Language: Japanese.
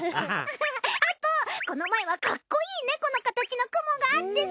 あとこの前はかっこいい猫の形の雲があってさ！